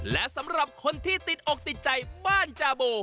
และสำหรับคนที่ติดอกติดใจบ้านจาโบ